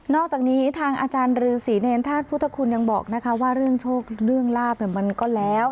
อกจากนี้ทางอาจารย์รือศรีเนรธาตุพุทธคุณยังบอกนะคะว่าเรื่องโชคเรื่องลาบมันก็แล้ว